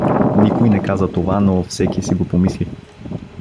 Никой не каза това, но всеки си го помисли.